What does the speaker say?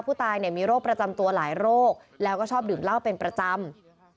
ผู้ตายมีโรคประจำตัวหลายโรคแล้วก็ชอบดื่มเหล้าเป็นประจำ